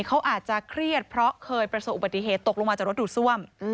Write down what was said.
เขาอาจจะเครียดเพราะเคยประสบอุบัติเหตุตกลงมาจากรถดูดซ่วม